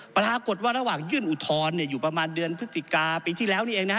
ปรากฏว่าระหว่างยื่นอุทธรณ์อยู่ประมาณเดือนพฤศจิกาปีที่แล้วนี่เองนะฮะ